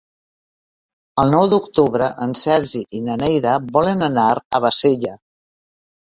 El nou d'octubre en Sergi i na Neida volen anar a Bassella.